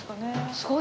すごい！